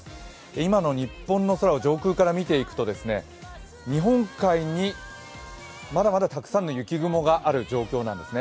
今の日本の空を上空から見てみると日本海にまだまだたくさんの雪雲がある状況なんですね。